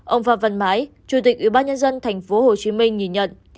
ông phạm văn mãi chủ tịch ủy ban nhân dân tp hcm nhìn nhận